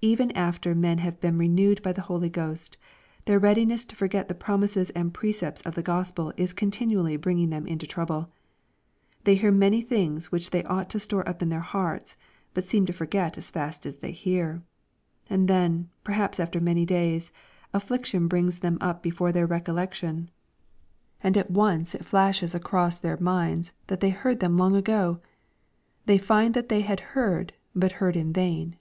Even after men have been renewed bythe Holy Ghost, their readi ness to forget the promises and precepts of the Gospel is continually bringing them mto trouble. They hear many things which they ought to store up in their hearts, but seem to forget as fiist as they hear. And then, perhaps after many days, affliction brings them up before their recollection, and at once it flashes across their 494 EXPOSITORY THOUGHTS. miads that they heard them long ago 1 Thejr find that they had heard, but heard in vain.